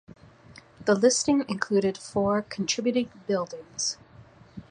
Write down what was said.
The listing included four contributing buildings.